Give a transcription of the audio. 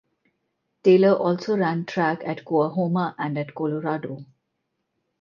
Taylor also ran track at Coahoma and at Colorado.